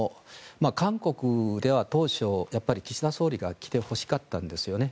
韓国では当初岸田総理大臣が来てほしかったんですよね。